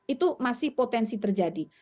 itu masih potensi terjadi